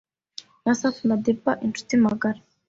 na Safi Madiba inshuti magara,